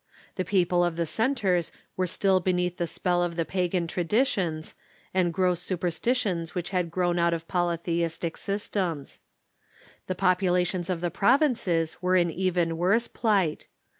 The people of the centres were still beneath the spell of the pagan traditions and gross superstitions which had grown out of polytheistic systems. The populations of the provinces were in even worse plight.